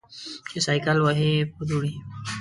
چې سایکل وهې په دوړې.